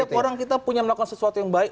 setiap orang kita punya melakukan sesuatu yang baik